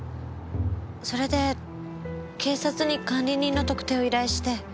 それで警察に管理人の特定を依頼して。